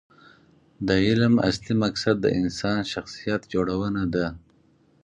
د علم اصلي مقصد د انسان شخصیت جوړونه ده.